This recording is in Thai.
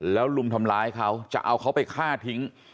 แล้วลุมทำร้ายเขาจะเอาเขาไปฆ่าทิ้ง